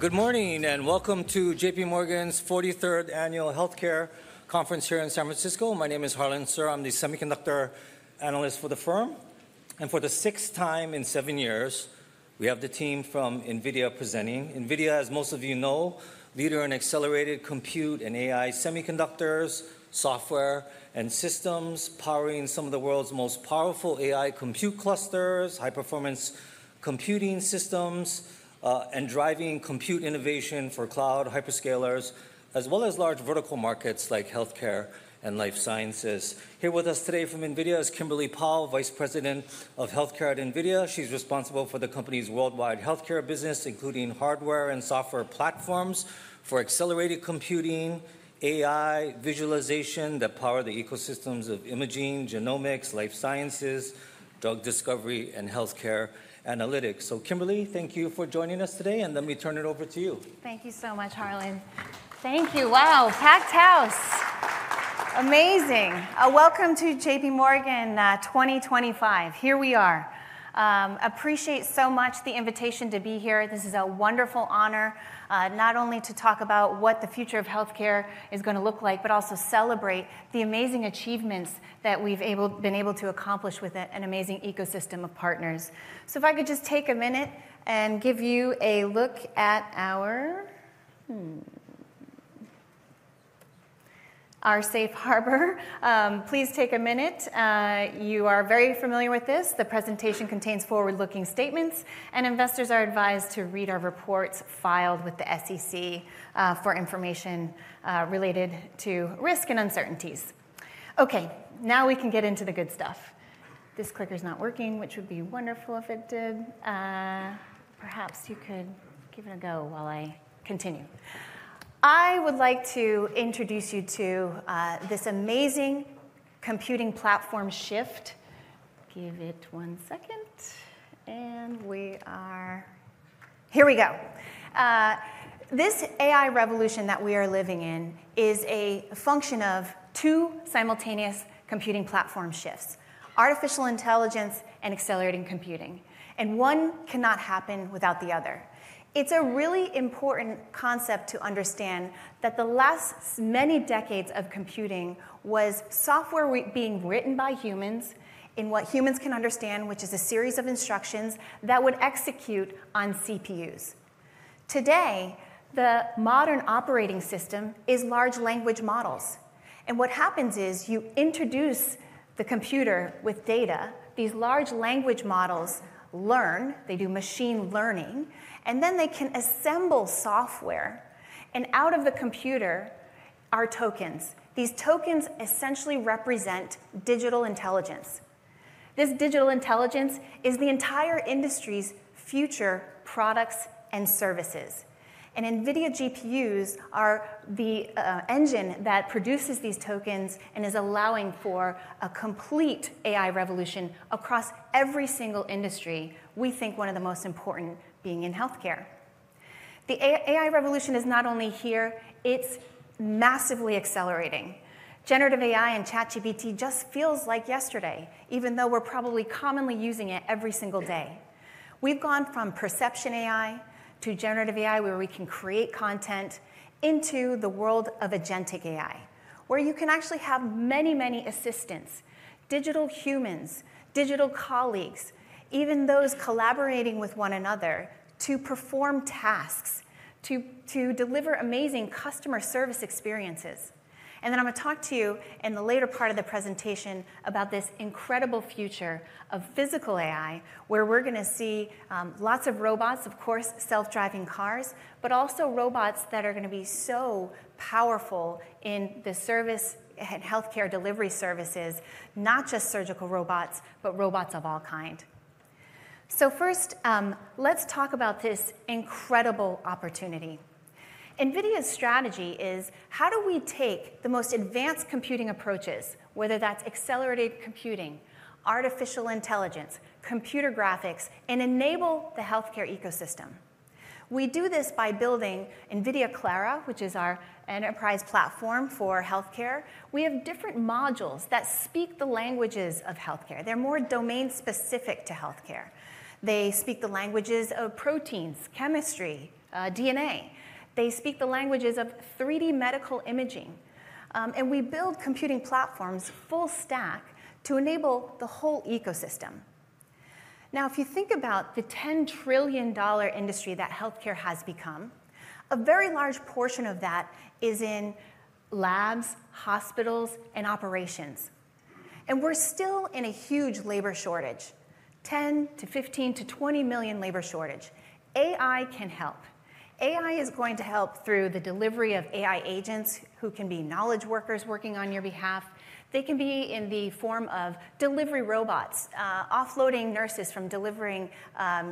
Good morning and welcome to JPMorgan's 43rd Annual Healthcare Conference here in San Francisco. My name is Harlan Sur. I'm the Semiconductor Analyst for the firm. And for the sixth time in seven years, we have the team from NVIDIA presenting. NVIDIA, as most of you know, is a leader in accelerated compute and AI semiconductors, software, and systems powering some of the world's most powerful AI compute clusters, high-performance computing systems, and driving compute innovation for cloud hyperscalers, as well as large vertical markets like healthcare and life sciences. Here with us today from NVIDIA is Kimberly Powell, Vice President of Healthcare at NVIDIA. She's responsible for the company's worldwide healthcare business, including hardware and software platforms for accelerated computing, AI visualization that power the ecosystems of imaging, genomics, life sciences, drug discovery, and healthcare analytics. So, Kimberly, thank you for joining us today. Let me turn it over to you. Thank you so much, Harlan. Thank you. Wow, packed house. Amazing. Welcome to JPMorgan 2025. Here we are. Appreciate so much the invitation to be here. This is a wonderful honor, not only to talk about what the future of healthcare is going to look like, but also celebrate the amazing achievements that we've been able to accomplish with an amazing ecosystem of partners. So if I could just take a minute and give you a look at our safe harbor. Please take a minute. You are very familiar with this. The presentation contains forward-looking statements, and investors are advised to read our reports filed with the SEC for information related to risk and uncertainties. Okay, now we can get into the good stuff. This clicker's not working, which would be wonderful if it did. Perhaps you could give it a go while I continue. I would like to introduce you to this amazing computing platform shift. Give it one second, and we are here we go. This AI revolution that we are living in is a function of two simultaneous computing platform shifts: artificial intelligence and accelerated computing, and one cannot happen without the other. It's a really important concept to understand that the last many decades of computing was software being written by humans in what humans can understand, which is a series of instructions that would execute on CPUs. Today, the modern operating system is large language models, and what happens is you introduce the computer with data. These large language models learn. They do machine learning, and then they can assemble software, and out of the computer are tokens. These tokens essentially represent digital intelligence. This digital intelligence is the entire industry's future products and services. And NVIDIA GPUs are the engine that produces these tokens and is allowing for a complete AI revolution across every single industry. We think one of the most important being in healthcare. The AI revolution is not only here. It's massively accelerating. Generative AI and ChatGPT just feels like yesterday, even though we're probably commonly using it every single day. We've gone from perception AI to generative AI, where we can create content, into the world of agentic AI, where you can actually have many, many assistants, digital humans, digital colleagues, even those collaborating with one another to perform tasks, to deliver amazing customer service experiences. And then I'm going to talk to you in the later part of the presentation about this incredible future of physical AI, where we're going to see lots of robots, of course, self-driving cars, but also robots that are going to be so powerful in the service and healthcare delivery services, not just surgical robots, but robots of all kind. So first, let's talk about this incredible opportunity. NVIDIA's strategy is, how do we take the most advanced computing approaches, whether that's accelerated computing, artificial intelligence, computer graphics, and enable the healthcare ecosystem? We do this by building NVIDIA Clara, which is our enterprise platform for healthcare. We have different modules that speak the languages of healthcare. They're more domain-specific to healthcare. They speak the languages of proteins, chemistry, DNA. They speak the languages of 3D medical imaging. And we build computing platforms full stack to enable the whole ecosystem. Now, if you think about the $10 trillion industry that healthcare has become, a very large portion of that is in labs, hospitals, and operations, and we're still in a huge labor shortage, 10 million to 15million to 20 million labor shortage. AI can help. AI is going to help through the delivery of AI agents who can be knowledge workers working on your behalf. They can be in the form of delivery robots, offloading nurses from delivering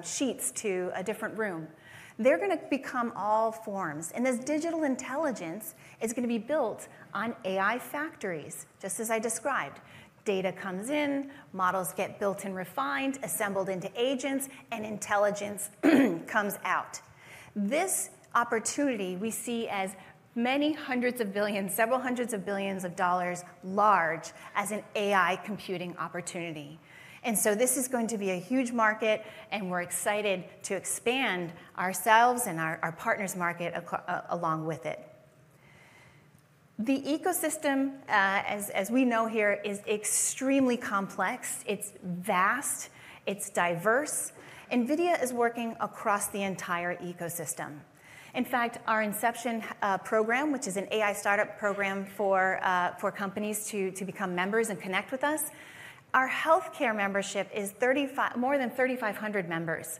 sheets to a different room. They're going to become all forms, and this digital intelligence is going to be built on AI factories, just as I described. Data comes in, models get built and refined, assembled into agents, and intelligence comes out. This opportunity we see as many hundreds of billions, several hundreds of billions of dollars large as an AI computing opportunity. And so this is going to be a huge market, and we're excited to expand ourselves and our partners' market along with it. The ecosystem, as we know here, is extremely complex. It's vast. It's diverse. NVIDIA is working across the entire ecosystem. In fact, our NVIDIA Inception program, which is an AI startup program for companies to become members and connect with us, our healthcare membership is more than 3,500 members.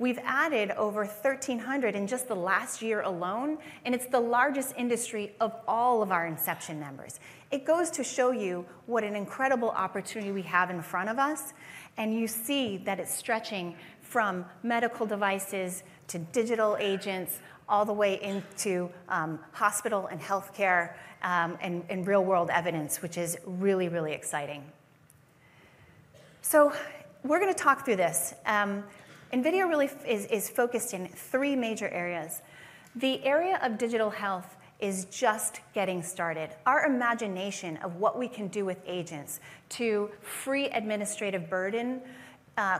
We've added over 1,300 in just the last year alone, and it's the largest industry of all of our NVIDIA Inception members. It goes to show you what an incredible opportunity we have in front of us. And you see that it's stretching from medical devices to digital agents, all the way into hospital and healthcare and real-world evidence, which is really, really exciting. So we're going to talk through this. NVIDIA really is focused in three major areas. The area of digital health is just getting started. Our imagination of what we can do with agents to free administrative burden,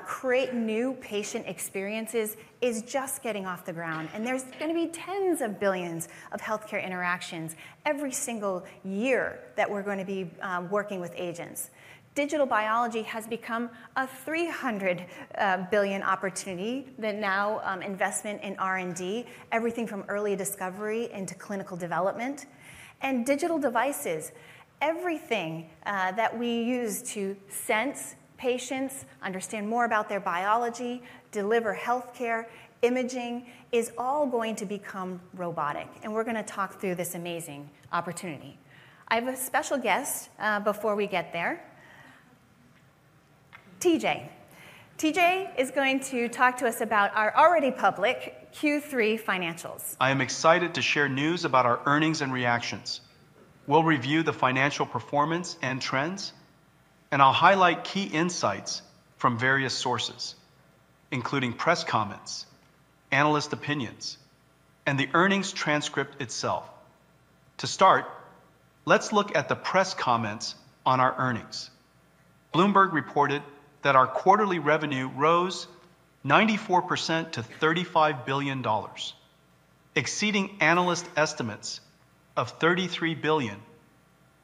create new patient experiences is just getting off the ground. And there's going to be tens of billions of healthcare interactions every single year that we're going to be working with agents. Digital biology has become a $300 billion opportunity that now investment in R&D, everything from early discovery into clinical development. And digital devices, everything that we use to sense patients, understand more about their biology, deliver healthcare, imaging, is all going to become robotic. And we're going to talk through this amazing opportunity. I have a special guest before we get there, TJ. TJ is going to talk to us about our already public Q3 financials. I am excited to share news about our earnings and reactions. We'll review the financial performance and trends, and I'll highlight key insights from various sources, including press comments, analyst opinions, and the earnings transcript itself. To start, let's look at the press comments on our earnings. Bloomberg reported that our quarterly revenue rose 94% to $35 billion, exceeding analyst estimates of $33 billion,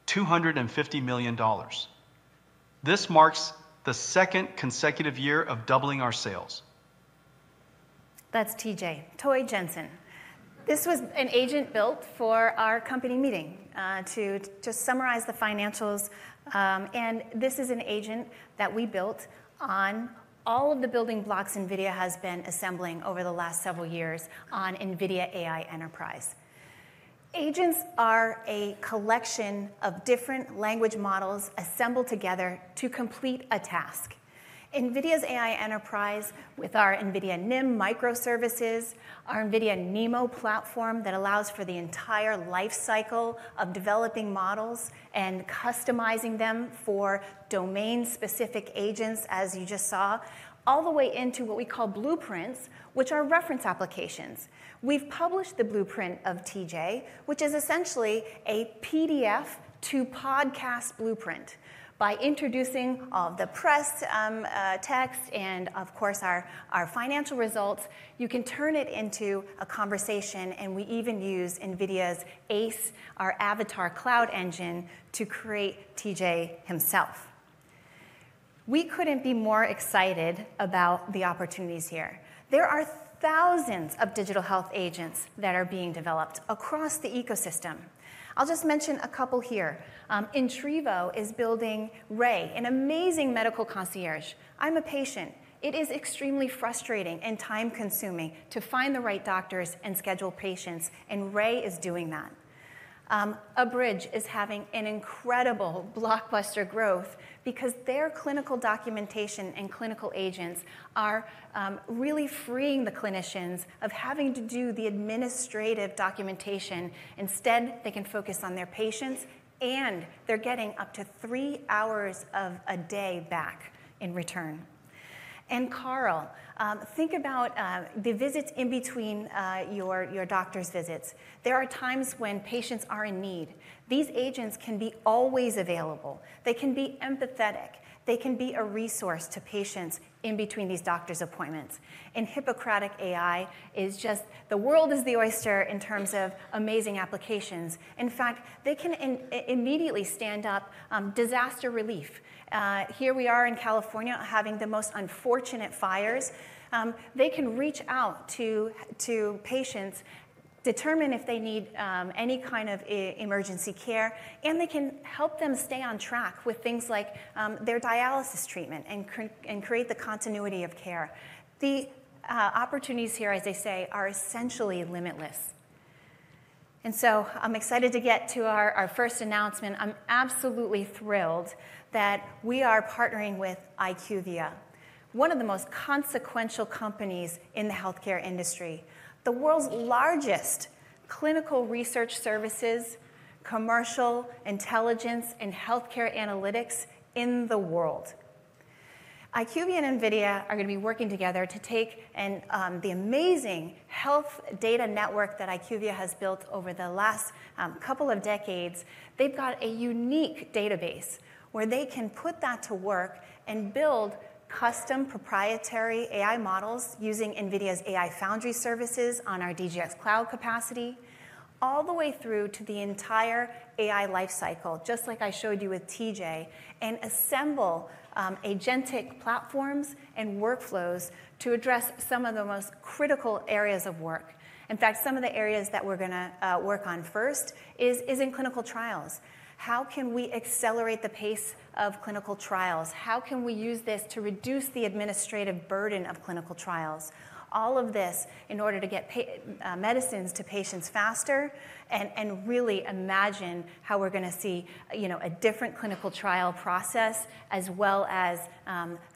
$250 million. This marks the second consecutive year of doubling our sales. That's TJ. Toy Jensen. This was an agent built for our company meeting to just summarize the financials. And this is an agent that we built on all of the building blocks NVIDIA has been assembling over the last several years on NVIDIA AI Enterprise. Agents are a collection of different language models assembled together to complete a task. NVIDIA's AI Enterprise with our NVIDIA NIM microservices, our NVIDIA NeMo platform that allows for the entire lifecycle of developing models and customizing them for domain-specific agents, as you just saw, all the way into what we call blueprints, which are reference applications. We've published the blueprint of TJ, which is essentially a PDF to podcast blueprint. By introducing all of the press text and, of course, our financial results, you can turn it into a conversation. And we even use NVIDIA's ACE, our avatar cloud engine, to create TJ himself. We couldn't be more excited about the opportunities here. There are thousands of digital health agents that are being developed across the ecosystem. I'll just mention a couple here. Intrivo is building Rea, an amazing medical concierge. I'm a patient. It is extremely frustrating and time-consuming to find the right doctors and schedule patients. And Rea is doing that. Abridge is having an incredible blockbuster growth because their clinical documentation and clinical agents are really freeing the clinicians of having to do the administrative documentation. Instead, they can focus on their patients, and they're getting up to three hours of a day back in return. And, Carl, think about the visits in between your doctor's visits. There are times when patients are in need. These agents can be always available. They can be empathetic. They can be a resource to patients in between these doctor's appointments. Hippocratic AI is just the world is your oyster in terms of amazing applications. In fact, they can immediately stand up disaster relief. Here we are in California having the most unfortunate fires. They can reach out to patients, determine if they need any kind of emergency care, and they can help them stay on track with things like their dialysis treatment and create the continuity of care. The opportunities here, as they say, are essentially limitless. I'm excited to get to our first announcement. I'm absolutely thrilled that we are partnering with IQVIA, one of the most consequential companies in the healthcare industry, the world's largest clinical research services, commercial intelligence, and healthcare analytics in the world. IQVIA and NVIDIA are going to be working together to take the amazing health data network that IQVIA has built over the last couple of decades. They've got a unique database where they can put that to work and build custom proprietary AI models using NVIDIA's AI Foundry services on our DGX Cloud capacity, all the way through to the entire AI lifecycle, just like I showed you with TJ, and assemble agentic platforms and workflows to address some of the most critical areas of work. In fact, some of the areas that we're going to work on first is in clinical trials. How can we accelerate the pace of clinical trials? How can we use this to reduce the administrative burden of clinical trials? All of this in order to get medicines to patients faster and really imagine how we're going to see a different clinical trial process, as well as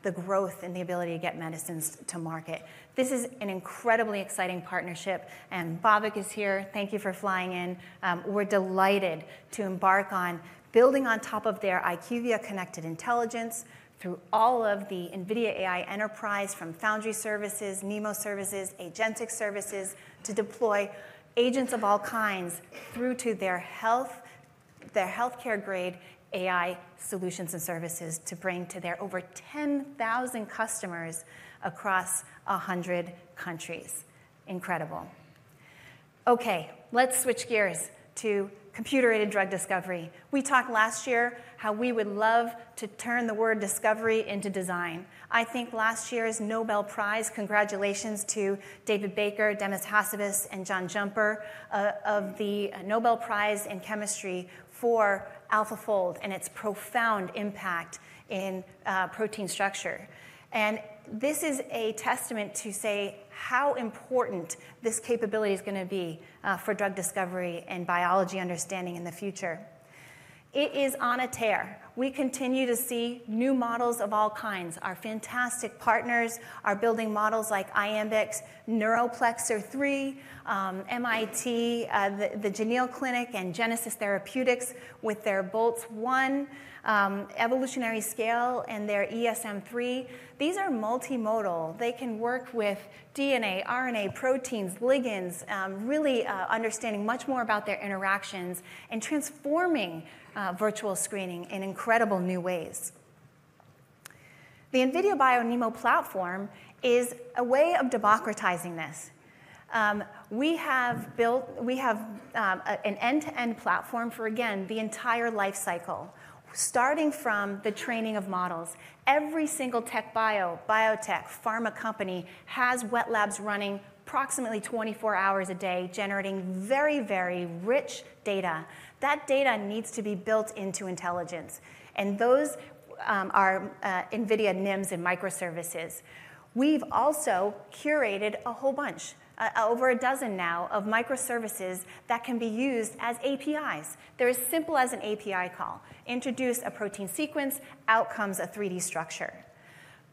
the growth and the ability to get medicines to market. This is an incredibly exciting partnership, and Bobic is here. Thank you for flying in. We're delighted to embark on building on top of their IQVIA connected intelligence through all of the NVIDIA AI Enterprise from Foundry services, NeMo services, agentic services to deploy agents of all kinds through to their healthcare-grade AI solutions and services to bring to their over 10,000 customers across 100 countries. Incredible. Okay, let's switch gears to computer-aided drug discovery. We talked last year how we would love to turn the word discovery into design. I think last year's Nobel Prize, congratulations to David Baker, Demis Hassabis, and John Jumper of the Nobel Prize in Chemistry for AlphaFold and its profound impact in protein structure. And this is a testament to say how important this capability is going to be for drug discovery and biology understanding in the future. It is on a tear. We continue to see new models of all kinds. Our fantastic partners are building models like Iambic Therapeutics, NeuralPlexer, MIT, the Jameel Clinic, and Genesis Therapeutics with their Boltz-1, EvolutionaryScale, and their ESM3. These are multimodal. They can work with DNA, RNA, proteins, ligands, really understanding much more about their interactions and transforming virtual screening in incredible new ways. The NVIDIA BioNeMO platform is a way of democratizing this. We have built an end-to-end platform for, again, the entire lifecycle, starting from the training of models. Every single tech bio, biotech, pharma company has wet labs running approximately 24 hours a day, generating very, very rich data. That data needs to be built into intelligence. And those are NVIDIA NIMs and microservices. We've also curated a whole bunch, over a dozen now, of microservices that can be used as APIs. They're as simple as an API call. Introduce a protein sequence, out comes a 3D structure.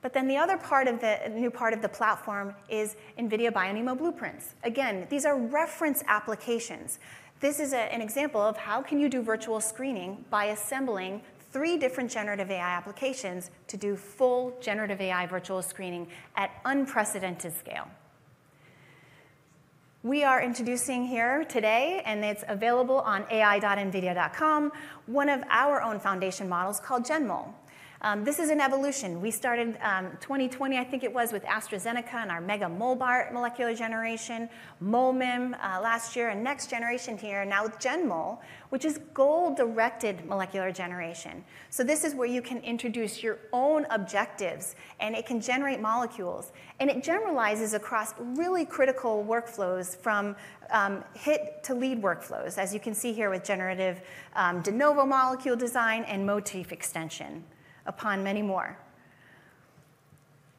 But then the other part of the new part of the platform is NVIDIA BioNeMO Blueprints. Again, these are reference applications. This is an example of how can you do virtual screening by assembling three different generative AI applications to do full generative AI virtual screening at unprecedented scale. We are introducing here today, and it's available on ai.nvidia.com, one of our own foundation models called GenMol. This is an evolution. We started 2020, I think it was, with AstraZeneca and our MegaMol molecular generation, MolMIM last year, and next generation here, now GenMol, which is goal-directed molecular generation. So this is where you can introduce your own objectives, and it can generate molecules. And it generalizes across really critical workflows from hit to lead workflows, as you can see here with generative de novo molecule design and motif extension upon many more.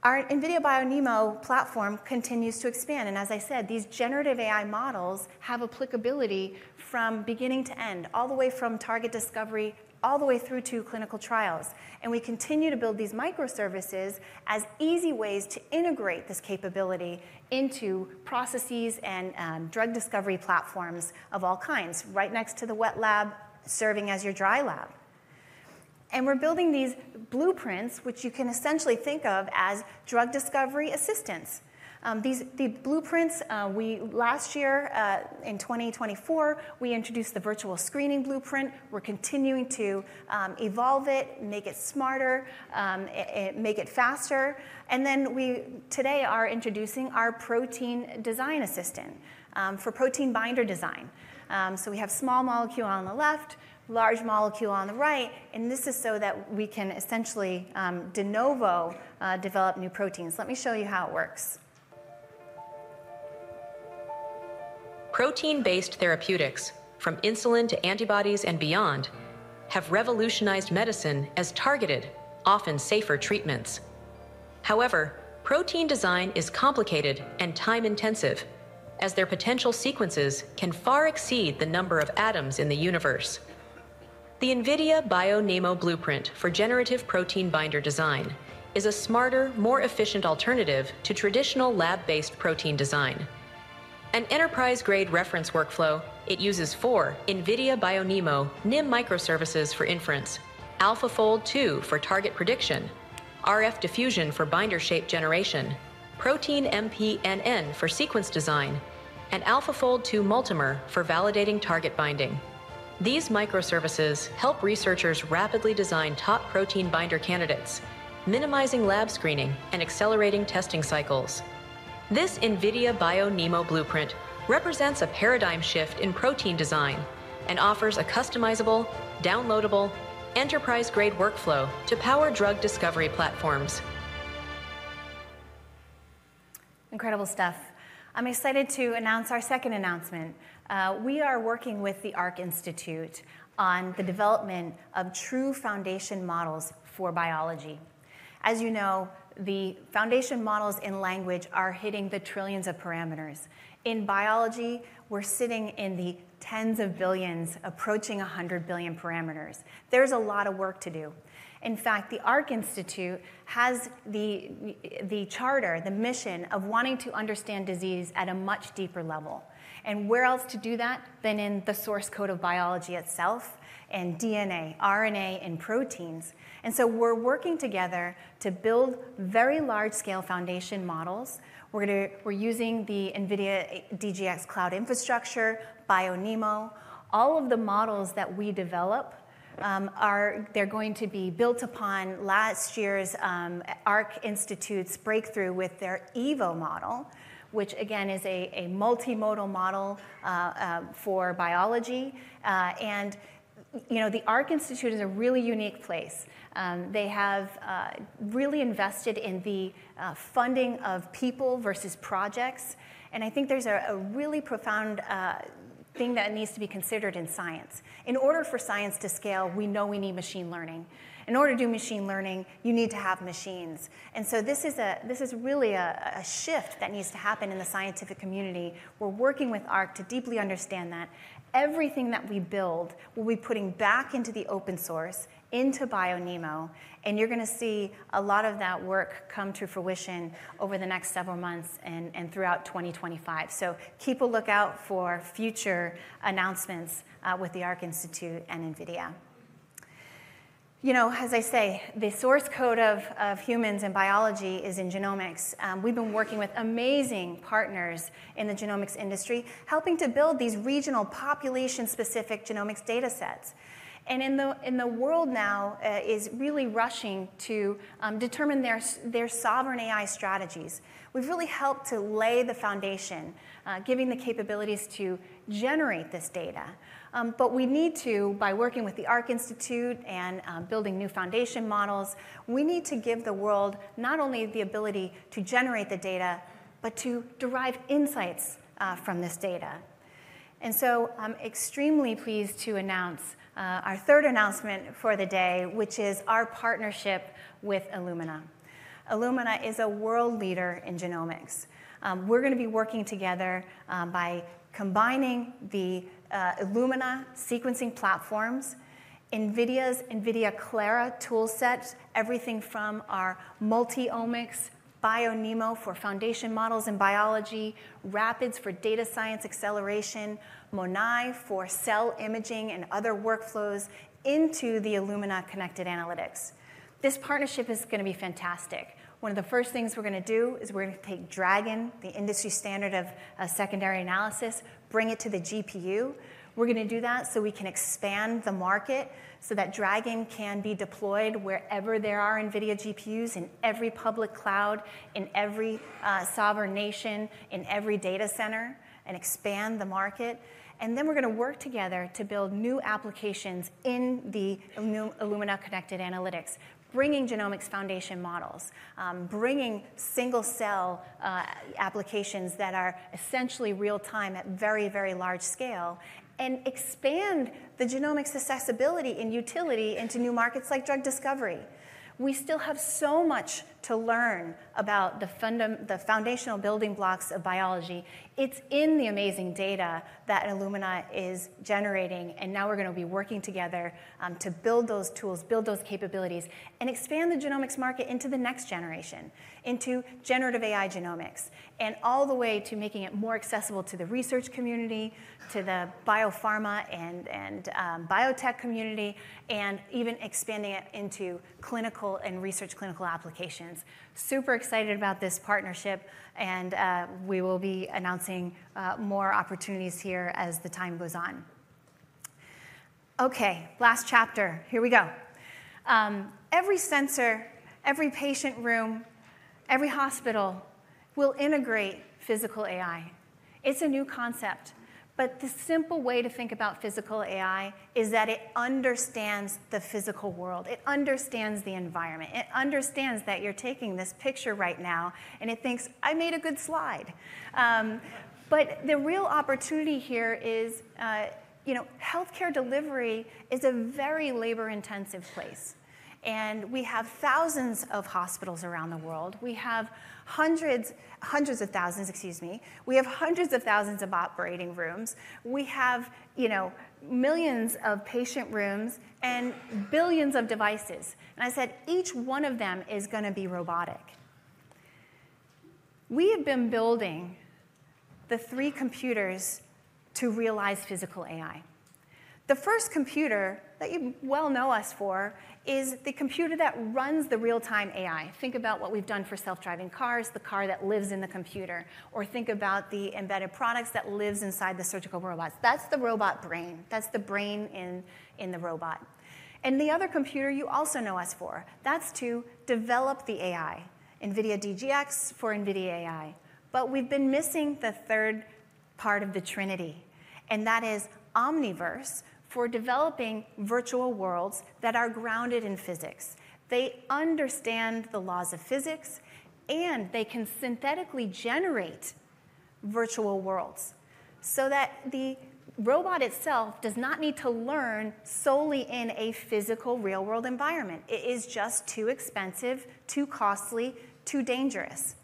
Our NVIDIA BioNeMO platform continues to expand. And as I said, these generative AI models have applicability from beginning to end, all the way from target discovery, all the way through to clinical trials. And we continue to build these microservices as easy ways to integrate this capability into processes and drug discovery platforms of all kinds, right next to the wet lab, serving as your dry lab. And we're building these blueprints, which you can essentially think of as drug discovery assistance. These blueprints, last year in 2024, we introduced the virtual screening blueprint. We're continuing to evolve it, make it smarter, make it faster. And then we today are introducing our protein design assistant for protein binder design. So we have small molecule on the left, large molecule on the right. And this is so that we can essentially de novo develop new proteins. Let me show you how it works. Protein-based therapeutics, from insulin to antibodies and beyond, have revolutionized medicine as targeted, often safer treatments. However, protein design is complicated and time-intensive, as their potential sequences can far exceed the number of atoms in the universe. The NVIDIA BioNeMO Blueprint for generative protein binder design is a smarter, more efficient alternative to traditional lab-based protein design. An enterprise-grade reference workflow, it uses four NVIDIA BioNeMO NIM microservices for inference, AlphaFold 2 for target prediction, RFdiffusion for binder shape generation, ProteinMPNN for sequence design, and AlphaFold 2 Multimer for validating target binding. These microservices help researchers rapidly design top protein binder candidates, minimizing lab screening and accelerating testing cycles. This NVIDIA BioNeMO Blueprint represents a paradigm shift in protein design and offers a customizable, downloadable, enterprise-grade workflow to power drug discovery platforms. Incredible stuff. I'm excited to announce our second announcement. We are working with the Arc Institute on the development of true foundation models for biology. As you know, the foundation models in language are hitting the trillions of parameters. In biology, we're sitting in the tens of billions, approaching 100 billion parameters. There's a lot of work to do. In fact, the Arc Institute has the charter, the mission of wanting to understand disease at a much deeper level, and where else to do that than in the source code of biology itself and DNA, RNA, and proteins, so we're working together to build very large-scale foundation models. We're using the NVIDIA DGX Cloud infrastructure, BioNeMO. All of the models that we develop, they're going to be built upon last year's Arc Institute's breakthrough with their EVO model, which, again, is a multimodal model for biology. The Arc Institute is a really unique place. They have really invested in the funding of people versus projects. I think there's a really profound thing that needs to be considered in science. In order for science to scale, we know we need machine learning. In order to do machine learning, you need to have machines. This is really a shift that needs to happen in the scientific community. We're working with Arc to deeply understand that everything that we build will be putting back into the open source, into BioNeMO. You're going to see a lot of that work come to fruition over the next several months and throughout 2025. Keep a lookout for future announcements with the Arc Institute and NVIDIA. As I say, the source code of humans and biology is in genomics. We've been working with amazing partners in the genomics industry, helping to build these regional population-specific genomics data sets. And in the world now, it is really rushing to determine their sovereign AI strategies. We've really helped to lay the foundation, giving the capabilities to generate this data. But we need to, by working with the Arc Institute and building new foundation models, we need to give the world not only the ability to generate the data, but to derive insights from this data. And so I'm extremely pleased to announce our third announcement for the day, which is our partnership with Illumina. Illumina is a world leader in genomics. We're going to be working together by combining the Illumina sequencing platforms, NVIDIA's NVIDIA Clara toolset, everything from our MultiOmics, BioNeMO for foundation models in biology, RAPIDS for data science acceleration, MONAI for cell imaging and other workflows into the Illumina Connected Analytics. This partnership is going to be fantastic. One of the first things we're going to do is we're going to take DRAGEN, the industry standard of secondary analysis, bring it to the GPU. We're going to do that so we can expand the market so that DRAGEN can be deployed wherever there are NVIDIA GPUs in every public cloud, in every sovereign nation, in every data center, and expand the market. And then we're going to work together to build new applications in the Illumina Connected Analytics, bringing genomics foundation models, bringing single-cell applications that are essentially real-time at very, very large scale, and expand the genomics accessibility and utility into new markets like drug discovery. We still have so much to learn about the foundational building blocks of biology. It's in the amazing data that Illumina is generating. And now we're going to be working together to build those tools, build those capabilities, and expand the genomics market into the next generation, into generative AI genomics, and all the way to making it more accessible to the research community, to the biopharma and biotech community, and even expanding it into clinical and research clinical applications. Super excited about this partnership. And we will be announcing more opportunities here as the time goes on. Okay, last chapter. Here we go. Every sensor, every patient room, every hospital will integrate physical AI. It's a new concept. But the simple way to think about physical AI is that it understands the physical world. It understands the environment. It understands that you're taking this picture right now, and it thinks, "I made a good slide." But the real opportunity here is healthcare delivery is a very labor-intensive place. And we have thousands of hospitals around the world. We have hundreds of thousands, excuse me. We have hundreds of thousands of operating rooms. We have millions of patient rooms and billions of devices. And I said, "Each one of them is going to be robotic." We have been building the three computers to realize physical AI. The first computer that you well know us for is the computer that runs the real-time AI. Think about what we've done for self-driving cars, the car that lives in the computer, or think about the embedded products that live inside the surgical robots. That's the robot brain. That's the brain in the robot. And the other computer you also know us for, that's to develop the AI, NVIDIA DGX for NVIDIA AI. But we've been missing the third part of the trinity. And that is Omniverse for developing virtual worlds that are grounded in physics. They understand the laws of physics, and they can synthetically generate virtual worlds so that the robot itself does not need to learn solely in a physical real-world environment. It is just too expensive, too costly, too dangerous.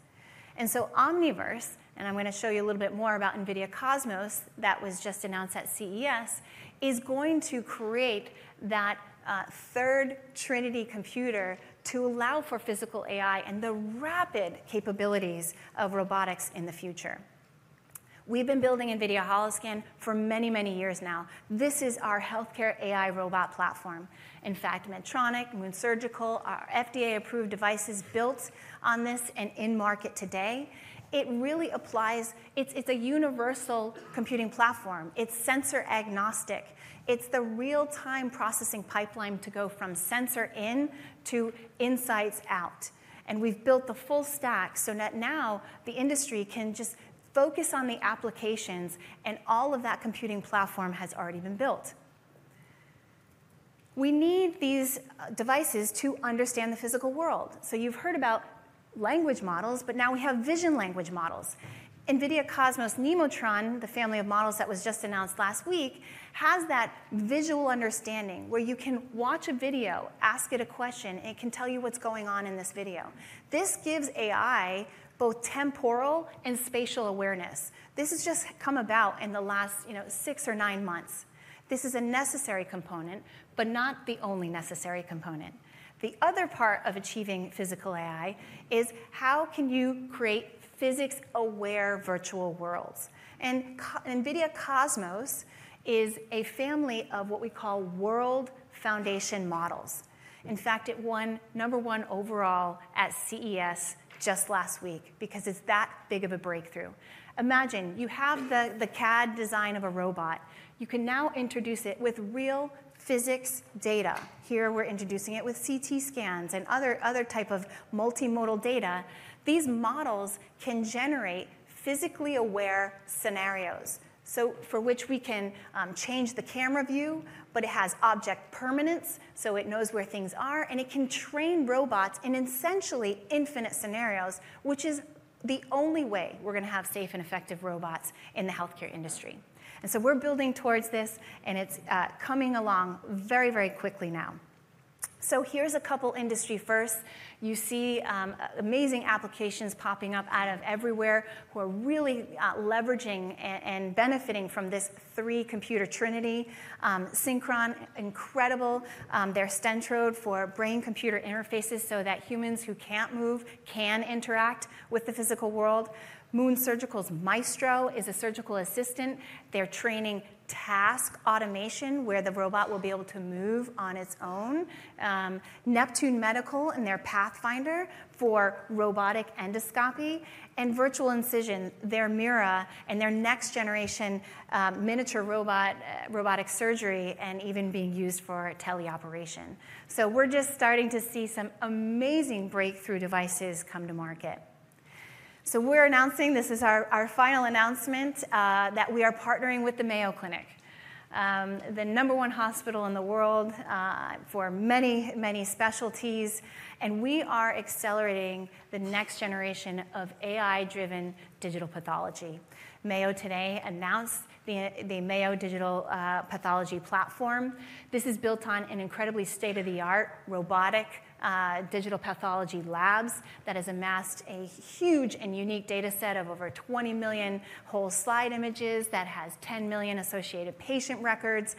Omniverse, and I'm going to show you a little bit more about NVIDIA Cosmos that was just announced at CES, is going to create that third trinity computer to allow for physical AI and the rapid capabilities of robotics in the future. We've been building NVIDIA Holoscan for many, many years now. This is our healthcare AI robot platform. In fact, Medtronic, Moon Surgical—our FDA-approved devices built on this and in market today. It really applies. It is a universal computing platform. It is sensor agnostic. It is the real-time processing pipeline to go from sensor in to insights out. And we've built the full stack so that now the industry can just focus on the applications, and all of that computing platform has already been built. We need these devices to understand the physical world. You've heard about language models, but now we have vision language models. NVIDIA Cosmos Nemotron, the family of models that was just announced last week, has that visual understanding where you can watch a video, ask it a question, and it can tell you what's going on in this video. This gives AI both temporal and spatial awareness. This has just come about in the last six or nine months. This is a necessary component, but not the only necessary component. The other part of achieving physical AI is how can you create physics-aware virtual worlds? NVIDIA Cosmos is a family of what we call world foundation models. In fact, it won number one overall at CES just last week because it's that big of a breakthrough. Imagine you have the CAD design of a robot. You can now introduce it with real physics data. Here we're introducing it with CT scans and other types of multimodal data. These models can generate physically aware scenarios for which we can change the camera view, but it has object permanence, so it knows where things are, and it can train robots in essentially infinite scenarios, which is the only way we're going to have safe and effective robots in the healthcare industry, and so we're building towards this, and it's coming along very, very quickly now, so here's a couple of industry firsts. You see amazing applications popping up out of everywhere who are really leveraging and benefiting from this three-computer trinity. Synchron. Incredible. Their Stentrode for brain-computer interfaces so that humans who can't move can interact with the physical world. Moon Surgical's Maestro is a surgical assistant. They're training Task Automation, where the robot will be able to move on its own. Neptune Medical and their Pathfinder for robotic endoscopy. Virtual Incision, their MIRA, and their next-generation miniature robotic surgery and even being used for teleoperation. We're just starting to see some amazing breakthrough devices come to market. We're announcing this is our final announcement that we are partnering with the Mayo Clinic, the number-one hospital in the world for many, many specialties. We are accelerating the next generation of AI-driven digital pathology. Mayo today announced the Mayo Digital Pathology Platform. This is built on an incredibly state-of-the-art robotic digital pathology lab that has amassed a huge and unique data set of over 20 million whole slide images that has 10 million associated patient records.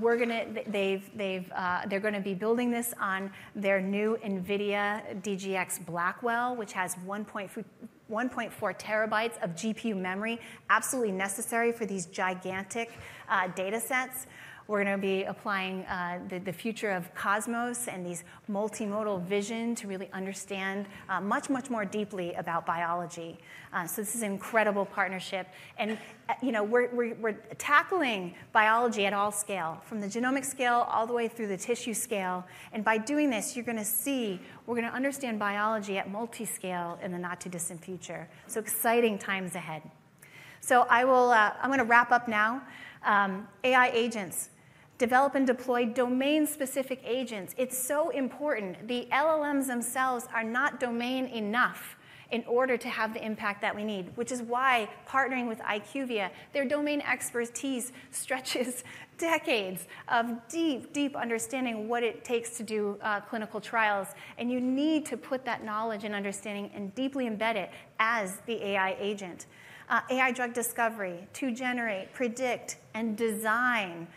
They're going to be building this on their new NVIDIA DGX Blackwell, which has 1.4 TB of GPU memory, absolutely necessary for these gigantic data sets. We're going to be applying the future of Cosmos and these multimodal vision to really understand much, much more deeply about biology. So this is an incredible partnership. And we're tackling biology at all scale, from the genomic scale all the way through the tissue scale. And by doing this, you're going to see we're going to understand biology at multi-scale in the not-too-distant future. So exciting times ahead. So I'm going to wrap up now. AI agents, develop and deploy domain-specific agents. It's so important. The LLMs themselves are not domain enough in order to have the impact that we need, which is why partnering with IQVIA, their domain expertise stretches decades of deep, deep understanding of what it takes to do clinical trials. And you need to put that knowledge and understanding and deeply embed it as the AI agent. AI drug discovery to generate, predict, and design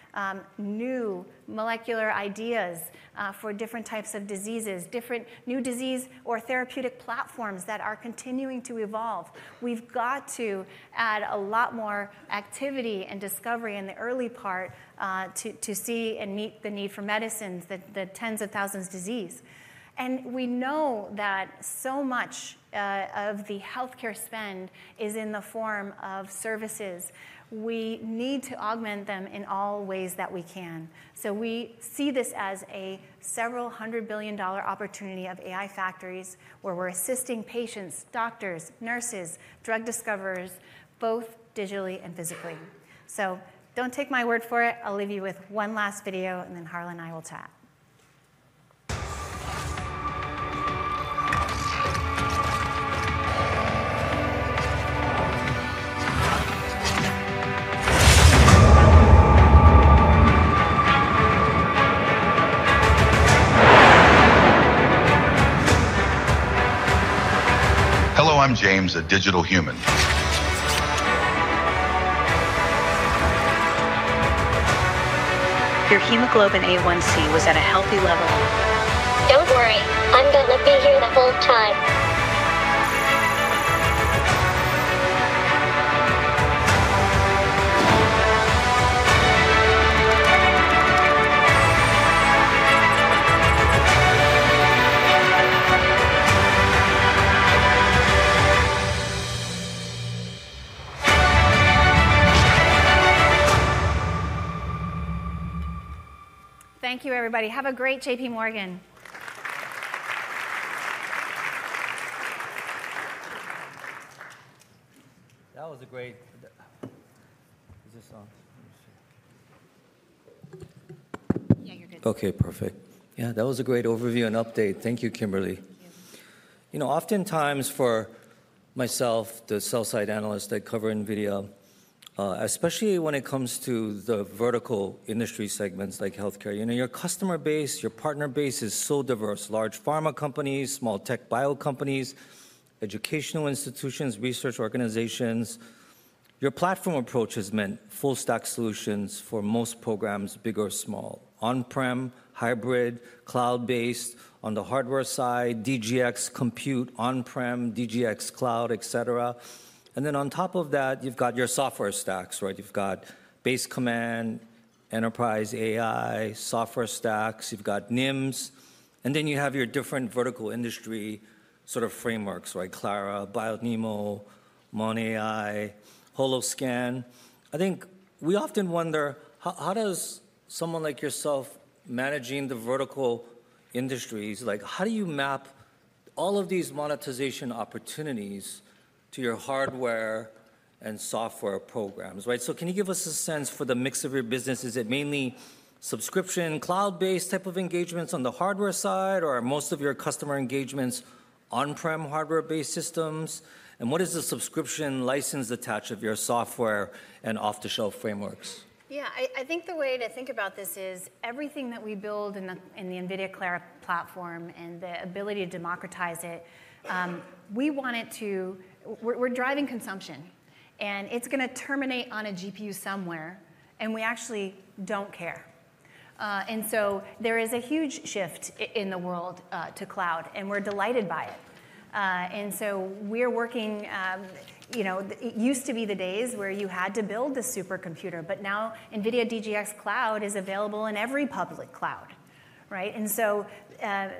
new molecular ideas for different types of diseases, different new disease or therapeutic platforms that are continuing to evolve. We've got to add a lot more activity and discovery in the early part to see and meet the need for medicines, the tens of thousands of diseases. And we know that so much of the healthcare spend is in the form of services. We need to augment them in all ways that we can. So we see this as a several-hundred-billion-dollar opportunity of AI factories where we're assisting patients, doctors, nurses, drug discoverers, both digitally and physically. So don't take my word for it. I'll leave you with one last video, and then Harlan and I will chat. Hello, I'm James, a digital human. Your hemoglobin A1C was at a healthy level. Don't worry. I'm going to be here the whole time. Thank you, everybody. Have a great JPMorgan. That was a great. Is this on? Let me see. Yeah, you're good. Okay, perfect. Yeah, that was a great overview and update. Thank you, Kimberly. You know, oftentimes for myself, the sell-side analyst that cover NVIDIA, especially when it comes to the vertical industry segments like healthcare, your customer base, your partner base is so diverse: large pharma companies, small tech bio companies, educational institutions, research organizations. Your platform approach has meant full-stack solutions for most programs, big or small: on-prem, hybrid, cloud-based, on the hardware side, DGX compute, on-prem, DGX cloud, et cetera. And then on top of that, you've got your software stacks, right? You've got base command, enterprise AI, software stacks. You've got NIMs. And then you have your different vertical industry sort of frameworks, right? Clara, BioNeMO, MONAI, Holoscan. I think we often wonder, how does someone like yourself managing the vertical industries, how do you map all of these monetization opportunities to your hardware and software programs, right? So can you give us a sense for the mix of your business? Is it mainly subscription, cloud-based type of engagements on the hardware side, or are most of your customer engagements on-prem hardware-based systems? And what is the subscription license attached to your software and off-the-shelf frameworks? Yeah, I think the way to think about this is everything that we build in the NVIDIA Clara platform and the ability to democratize it, we want it to... We're driving consumption, and it's going to terminate on a GPU somewhere, and we actually don't care. And so there is a huge shift in the world to cloud, and we're delighted by it. And so we're working... It used to be the days where you had to build the supercomputer, but now NVIDIA DGX Cloud is available in every public cloud, right? And so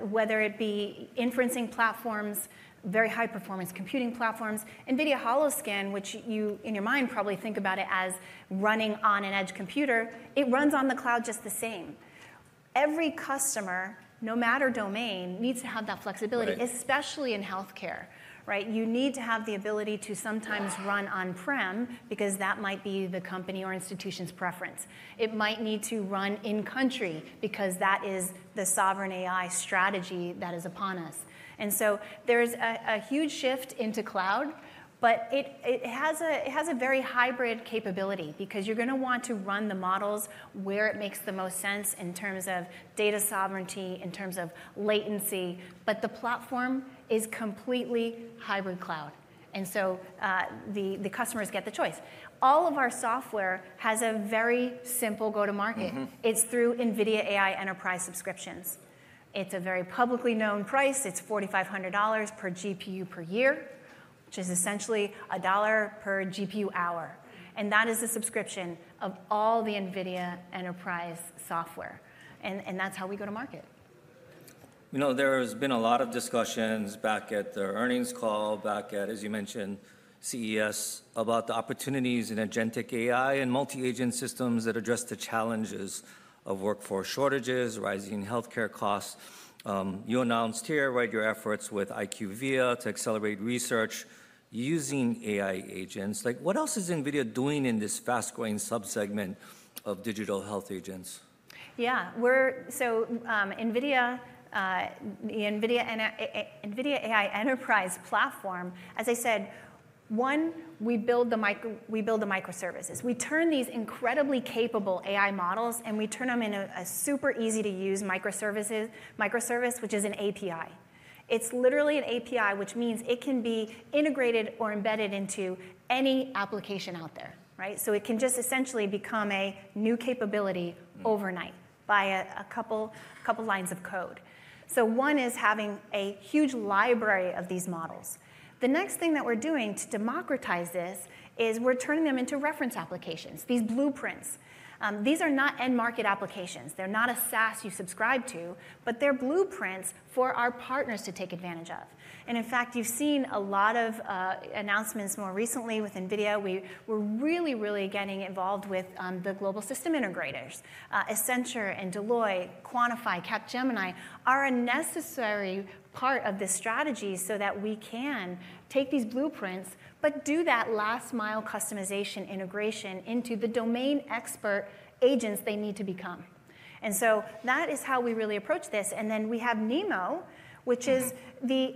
whether it be inferencing platforms, very high-performance computing platforms, NVIDIA Holoscan, which you in your mind probably think about it as running on an edge computer, it runs on the cloud just the same. Every customer, no matter domain, needs to have that flexibility, especially in healthcare, right? You need to have the ability to sometimes run on-prem because that might be the company or institution's preference. It might need to run in-country because that is the sovereign AI strategy that is upon us. And so there's a huge shift into cloud, but it has a very hybrid capability because you're going to want to run the models where it makes the most sense in terms of data sovereignty, in terms of latency. But the platform is completely hybrid cloud. And so the customers get the choice. All of our software has a very simple go-to-market. It's through NVIDIA AI Enterprise subscriptions. It's a very publicly known price. It's $4,500 per GPU per year, which is essentially $1 per GPU hour. And that is the subscription of all the NVIDIA Enterprise software. And that's how we go to market. You know, there has been a lot of discussions back at the earnings call, back at, as you mentioned, CES about the opportunities in agentic AI and multi-agent systems that address the challenges of workforce shortages, rising healthcare costs. You announced here, right, your efforts with IQVIA to accelerate research using AI agents. What else is NVIDIA doing in this fast-growing subsegment of digital health agents? Yeah, so NVIDIA AI Enterprise platform, as I said, one, we build the microservices. We turn these incredibly capable AI models, and we turn them into a super easy-to-use microservice, which is an API. It's literally an API, which means it can be integrated or embedded into any application out there, right? So it can just essentially become a new capability overnight by a couple lines of code. So one is having a huge library of these models. The next thing that we're doing to democratize this is we're turning them into reference applications, these blueprints. These are not end-market applications. They're not a SaaS you subscribe to, but they're blueprints for our partners to take advantage of. And in fact, you've seen a lot of announcements more recently with NVIDIA. We're really, really getting involved with the global system integrators. Accenture, Deloitte, Quantiphi, Capgemini are a necessary part of this strategy so that we can take these blueprints, but do that last-mile customization integration into the domain expert agents they need to become. And so that is how we really approach this. And then we have NeMo, which is the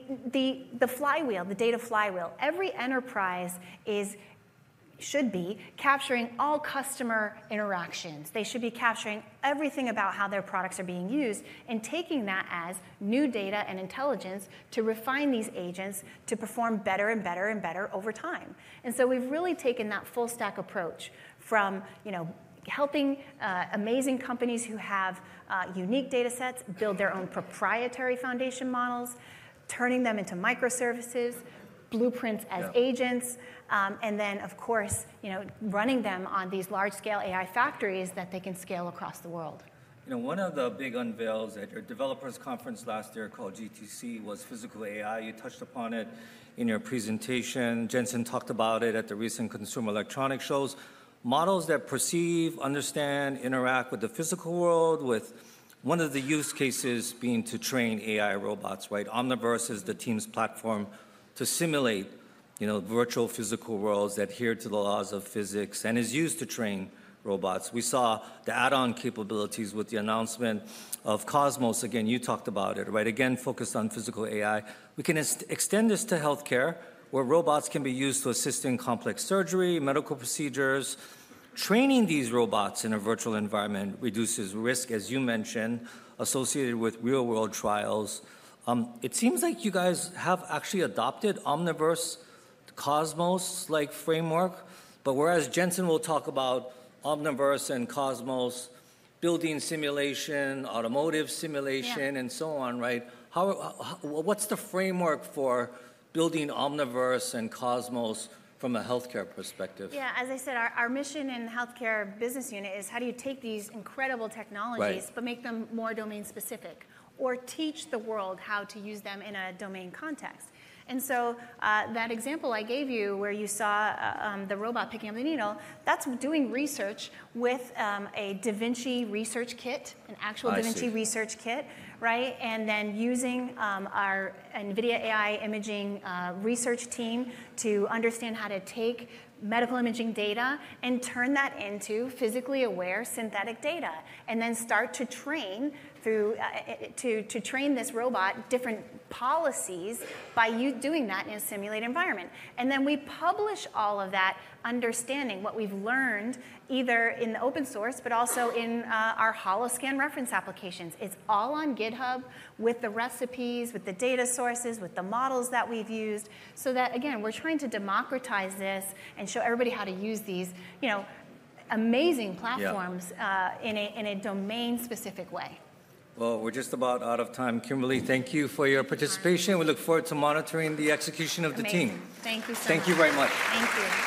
flywheel, the data flywheel. Every enterprise should be capturing all customer interactions. They should be capturing everything about how their products are being used and taking that as new data and intelligence to refine these agents to perform better and better and better over time. And so we've really taken that full-stack approach from helping amazing companies who have unique data sets build their own proprietary foundation models, turning them into microservices, blueprints as agents, and then, of course, running them on these large-scale AI factories that they can scale across the world. You know, one of the big unveils at your developers conference last year called GTC was Physical AI. You touched upon it in your presentation. Jensen talked about it at the recent Consumer Electronics Shows. Models that perceive, understand, interact with the physical world, with one of the use cases being to train AI robots, right? Omniverse is the team's platform to simulate virtual physical worlds that adhere to the laws of physics and is used to train robots. We saw the add-on capabilities with the announcement of Cosmos. Again, you talked about it, right? Again, focused on Physical AI. We can extend this to healthcare, where robots can be used to assist in complex surgery, medical procedures. Training these robots in a virtual environment reduces risk, as you mentioned, associated with real-world trials. It seems like you guys have actually adopted Omniverse, Cosmos-like framework. But whereas Jensen will talk about Omniverse and Cosmos, building simulation, automotive simulation, and so on, right? What's the framework for building Omniverse and Cosmos from a healthcare perspective? Yeah, as I said, our mission in the healthcare business unit is how do you take these incredible technologies but make them more domain-specific or teach the world how to use them in a domain context? And so that example I gave you where you saw the robot picking up the needle, that's doing research with a Da Vinci research kit, an actual Da Vinci research kit, right? And then using our NVIDIA AI Imaging research team to understand how to take medical imaging data and turn that into physically aware synthetic data and then start to train this robot different policies by you doing that in a simulated environment. And then we publish all of that understanding what we've learned either in the open source, but also in our Holoscan reference applications. It's all on GitHub with the recipes, with the data sources, with the models that we've used. So that, again, we're trying to democratize this and show everybody how to use these amazing platforms in a domain-specific way. Well, we're just about out of time. Kimberly, thank you for your participation. We look forward to monitoring the execution of the team. Thank you so much. Thank you very much. Thank you.